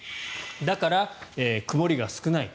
だから、曇りが少ない。